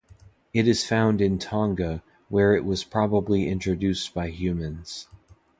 It is found in Tonga, where it was probably introduced by humans.